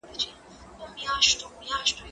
کالي د مور له خوا مينځل کيږي،